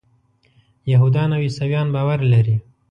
یهودان او عیسویان باور لري.